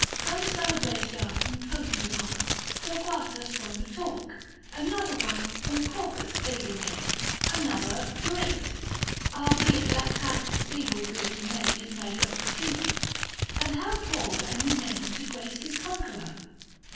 Some celebrated are from trophies won, Torquatus from the torque ; another one From " Corvus " aiding him ; another " Great ;" Albeit that title feeble be to mate C45 His measure of achievement : and how poor Were any name to grace his conqueror